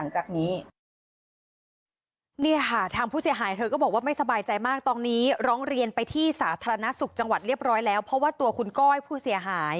เชื่อว่าน่าจะเป็นความบกพล่องของเจ้าหน้าที่